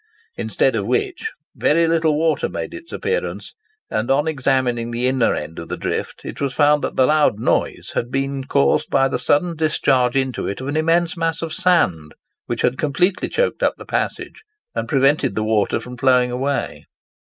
Instead of which, very little water made its appearance; and on examining the inner end of the drift, it was found that the loud noise had been caused by the sudden discharge into it of an immense mass of sand, which had completely choked up the passage, and prevented the water from flowing away.